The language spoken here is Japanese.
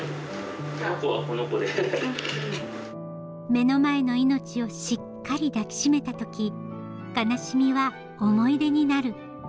目の前の命をしっかり抱き締めた時悲しみは思い出になる。